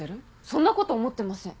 そんなこと思ってません。